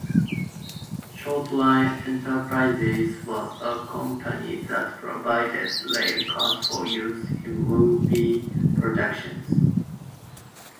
Short Line Enterprises was a company that provided railcars for use in movie productions.